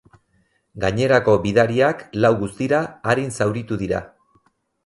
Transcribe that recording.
Gainerako bidariak, lau guztira, arin zauritu dira.